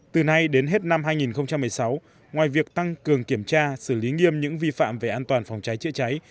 từ nay đến hết năm hai nghìn một mươi sáu ngoài việc tăng cường kiểm tra xử lý nghiêm những vi phạm về an toàn phòng cháy chữa cháy